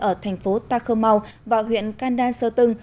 ở thành phố takomau và huyện kandan sơ tưng